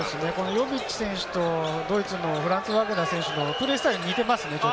ヨビッチ選手とドイツのフランツ・バグナー選手のプレースタイル、似てますね。